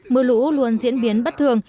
mưa lũ luôn diễn biến bất thường